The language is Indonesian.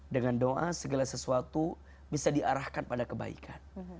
dengan doa segala sesuatu bisa diarahkan pada kebaikan